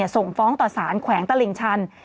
ส่งฟ้องต่อสารแขวงตลิ่งชัน